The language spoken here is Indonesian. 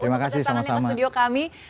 terima kasih tangannya ke studio kami